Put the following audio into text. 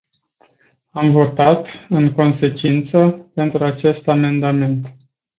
Am votat, în consecință, pentru acest amendament.